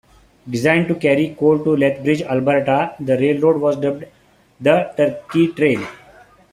Designed to carry coal to Lethbridge, Alberta, the railroad was dubbed the "Turkey Trail".